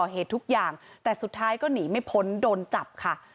เหตุทุกอย่างแต่สุดท้ายก็หนีไม่พ้นโดนจับค่ะ